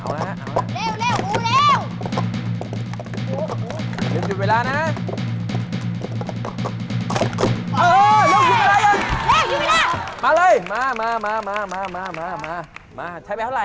เร็วเร็วอู๋เร็วเร็ว๓๐เวลานะนะเออเร็วเร็ว๒๐เวลามาเลยมาใช้ไปเท่าไรอะ